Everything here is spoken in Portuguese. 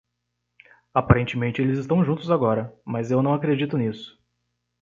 Aparentemente eles estão juntos agora, mas eu não acredito nisso.